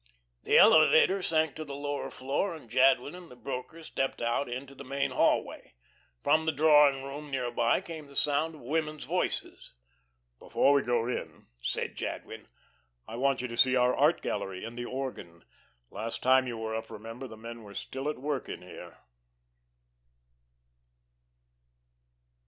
The elevator sank to the lower floor, and Jadwin and the broker stepped out into the main hallway. From the drawing room near by came the sound of women's voices. "Before we go in," said Jadwin, "I want you to see our art gallery and the organ. Last time you were up, remember, the men were still at work in here."